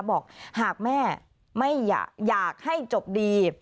บอกหากแม่ไม่อยากให้จบดี